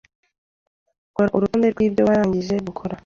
Kora urutonde rw’ibyo warangije gukora